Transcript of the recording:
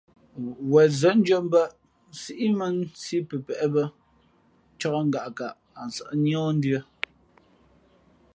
Wen nzᾱndʉ̄ᾱ mbα̌ʼ, nsíʼ mᾱ nsǐ pəpēʼ bᾱ, ncǎk ngaʼkaʼ ǎ sᾱʼ níάh ndʉ̄ᾱ.